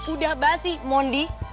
sudah abah sih mondi